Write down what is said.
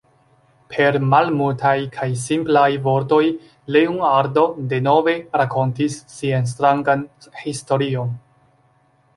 Per malmultaj kaj simplaj vortoj Leonardo denove rakontis sian strangan historion.